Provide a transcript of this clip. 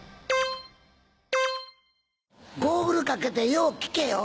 ゴーグルかけてよう聞けよ。